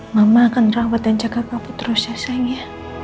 mama akan rawat dan jaga kamu terus ya sayangnya